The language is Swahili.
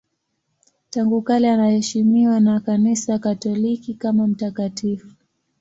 Tangu kale anaheshimiwa na Kanisa Katoliki kama mtakatifu.